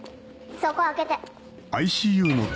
そこ開けて。